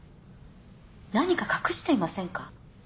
何か隠していませんか？